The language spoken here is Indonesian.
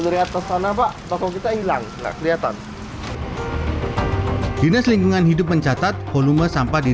dari atas sana pak toko kita hilang nah kelihatan dinas lingkungan hidup mencatat volume sampah di